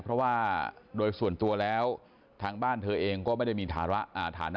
เพราะว่าโดยส่วนตัวแล้วทางบ้านเธอเองก็ไม่ได้มีฐานะฐานะ